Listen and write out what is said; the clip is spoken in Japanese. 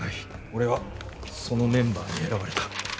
俺はそのメンバーに選ばれた。